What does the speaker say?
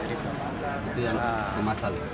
itu yang gemasan